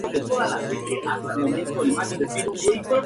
Juan Domingo Perón.